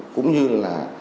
cũng như là